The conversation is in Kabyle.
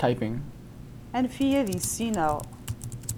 Anef-iyi ad issineɣ.